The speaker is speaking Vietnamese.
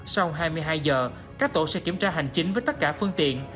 sau hai mươi hai giờ các tổ sẽ kiểm tra hành chính với tất cả phương tiện